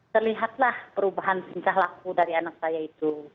terlihatlah perubahan tingkah laku dari anak saya itu